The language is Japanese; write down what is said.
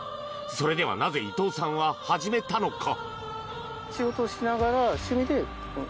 それではなぜ伊藤さんは始めたのか？